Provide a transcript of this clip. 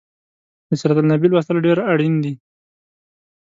د سیرت النبي لوستل ډیر اړین دي